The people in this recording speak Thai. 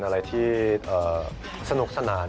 เป็นอะไรที่สนุกสนาน